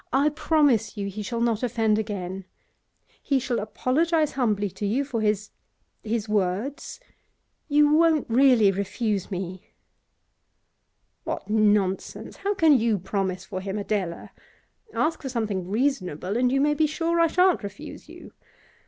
I promise you he shall not offend again. He shall apologise humbly to you for his his words. You won't really refuse me?' 'What nonsense! How can you promise for him, Adela? Ask for something reasonable, and you may be sure I shan't refuse you.